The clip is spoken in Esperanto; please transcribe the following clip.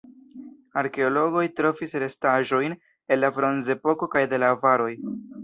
Arkeologoj trovis restaĵojn el la bronzepoko kaj de la avaroj.